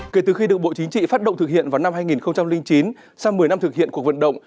kể từ khi được bộ chính trị phát động thực hiện vào năm hai nghìn chín sau một mươi năm thực hiện cuộc vận động